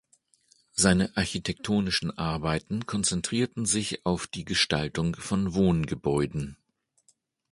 Seine architektonischen Arbeiten konzentrierten sich auf die Gestaltung von Wohngebäuden.